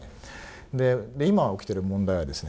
今、起きてる問題はですね